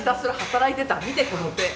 見てこの手。